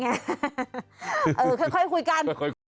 เออค่อยคุยกัน